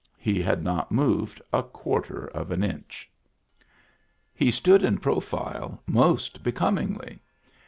He had not moved a quarter of an inch. He stood in profile, most becomingly.